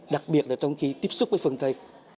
đặc biệt là trong khi tiếp xúc với phần tây